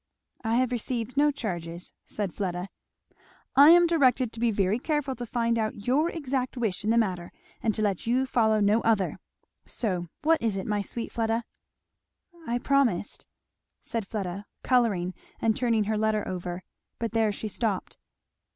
"I have received no charges." said Fleda. "I am directed to be very careful to find out your exact wish in the matter and to let you follow no other. So what is it, my sweet Fleda?" "I promised " said Fleda colouring and turning her letter over. But there she stopped.